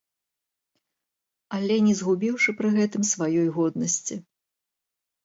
Але не згубіўшы пры гэтым сваёй годнасці.